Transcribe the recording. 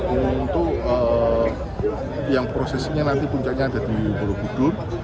ini untuk yang prosesnya nanti puncaknya ada di borobudur